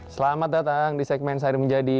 selamat datang di segmen sehari menjadi